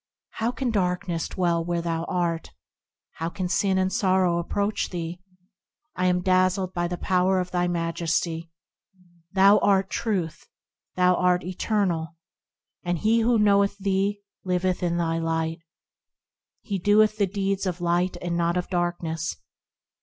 How can darkness dwell where thou art ? How can sin and sorrow approach thee ? I am dazzled by the power of thy majesty ; Thou art Truth ! Thou art the Eternal! And he who knoweth thee, liveth in thy light; He doeth the deeds of light and not of darkness.